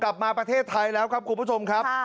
กลับมาประเทศไทยแล้วครับคุณผู้ชมครับ